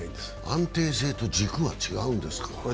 安定性と軸は違うんですか？